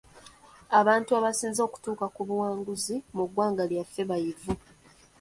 Abantu abasinze okutuuka ku buwanguzi mu ggwanga lyaffe bayivu.